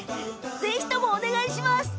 ぜひともお願いします。